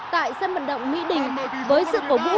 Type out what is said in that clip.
tại sân vận động mỹ đình với sự cổ vũ